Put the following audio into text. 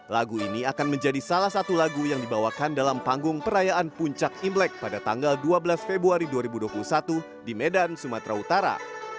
lagu ini akan menjadi salah satu lagu yang dibawakan dalam panggung perayaan puncak imlek pada tanggal dua belas februari dua ribu dua puluh satu di medan sumatera utara